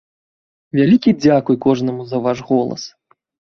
Вялікі дзякуй кожнаму за ваш голас.